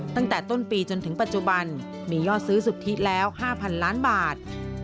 ตั้งแต่ต้นปีจนถึงปัจจุบันมียอดซื้อสุทธิแล้ว๕๐๐๐ล้านบาท